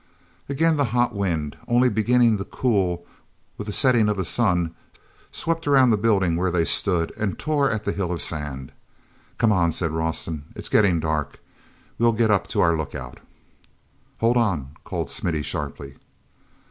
Again the hot wind, only beginning to cool with the setting of the sun, swept around the building where they stood and tore at the hill of sand. "Come on," said Rawson. "It's getting dark. We'll get up to our lookout—" "Hold on!" called Smithy sharply.